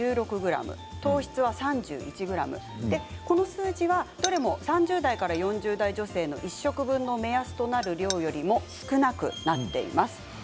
この数字はどれも３０代から４０代の女性の１食分の目安となる量より少なくなっています。